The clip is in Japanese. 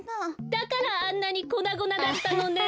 だからあんなにこなごなだったのね。